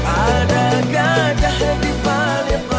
ada gajah di balik